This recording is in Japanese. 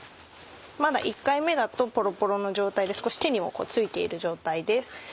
まだ１回目だとポロポロの状態で少し手にも付いている状態です。